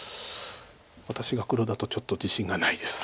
私が黒だとちょっと自信がないです。